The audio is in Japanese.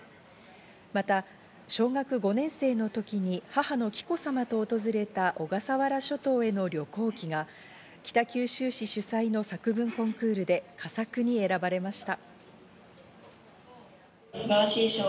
また、小学５年生の時に母の紀子さまと訪れた小笠原諸島への旅行記が北九州市主催の作文コンクールで佳作に選ばれました。